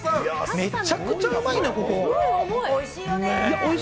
めっちゃくちゃうまいな、ここ。